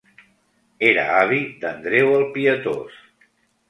Era avi d'Andreu el Pietós.